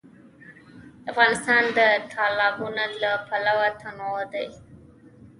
افغانستان د تالابونه له پلوه متنوع دی.